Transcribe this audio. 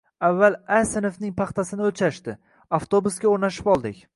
Avval “A” sinfning paxtasini oʻlchashdi. Avtobusga oʻrnashib oldik.